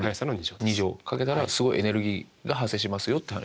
掛けたらすごいエネルギーが発生しますよっていう話。